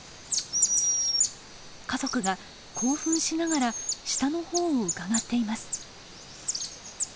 家族が興奮しながら下のほうをうかがっています。